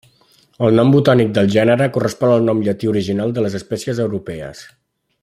El nom botànic del gènere, correspon al nom llatí original de les espècies europees.